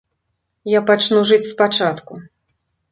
Я пачну жыць спачатку.